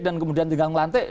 dan kemudian tinggal melantik